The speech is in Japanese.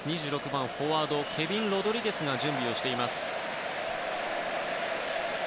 ２６番、フォワードのケビン・ロドリゲスが準備をしています。